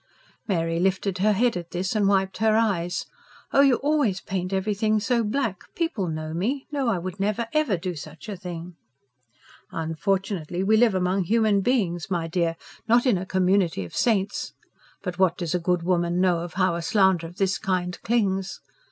Mary lifted her head at this, and wiped her eyes. "Oh, you always paint everything so black. People know me know I would never, never do such a thing." "Unfortunately we live among human beings, my dear, not in a community of saints! But what does a good woman know of how a slander of this kind clings?"